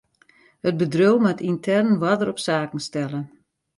It bedriuw moat yntern oarder op saken stelle.